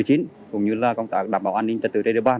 cũng như là công tác đảm bảo an ninh trật tự trên địa bàn